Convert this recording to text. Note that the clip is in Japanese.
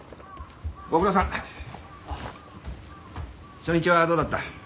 初日はどうだった？